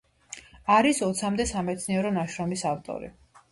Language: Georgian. არის ოცამდე სამეცნიერო ნაშრომის ავტორი.